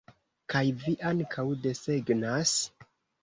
Kaj vi ankaŭ desegnas?